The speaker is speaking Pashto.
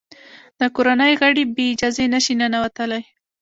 د کورنۍ غړي بې اجازې نه شي ننوتلای.